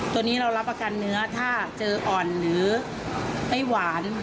ตัวนี้เรารับประกันเนื้อถ้าเจออ่อนหรือไม่หวาน